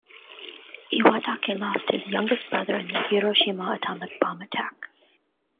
Iwatake lost his youngest brother in the Hiroshima atomic bomb attack.